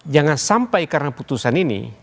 jangan sampai karena putusan ini